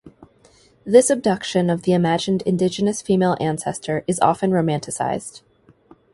This abduction of the imagined Indigenous female ancestor is often romanticized.